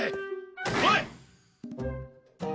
おい！